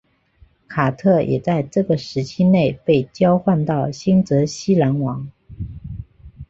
卡特也在这个时期内被交换到新泽西篮网。